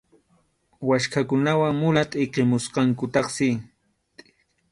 Waskhakunawan mula tʼiqimusqankutaqsi.